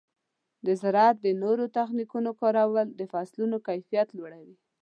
د زراعت د نوو تخنیکونو کارول د فصلونو کیفیت لوړوي.